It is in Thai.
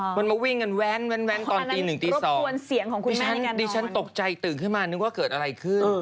เหมือนมาวิ่งกันแวนสันตี๑๒ฉันตกใจตื่นห้อยถูกคิดมาว่าเกิดอะไรขึ้น